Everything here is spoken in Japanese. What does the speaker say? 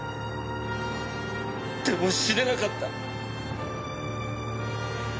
でも死ねなかった。